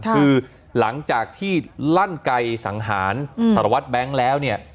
คือหลังจากที่ลั่นไกลสังหารสารวัตรแบงค์แล้วเนี่ย